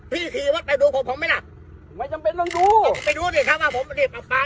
ขี่รถไปดูของผมไหมล่ะไม่จำเป็นต้องดูไปดูดิครับว่าผมไม่ได้ปลาปลา